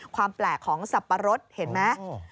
ความแปลกของสับปะรดเห็นไหม